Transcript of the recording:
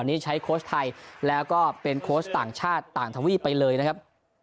นี้ใช้โค้ชไทยแล้วก็เป็นโค้ชต่างชาติต่างทวีปไปเลยนะครับ